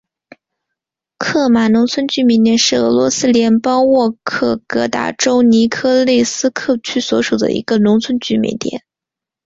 克马农村居民点是俄罗斯联邦沃洛格达州尼科利斯克区所属的一个农村居民点。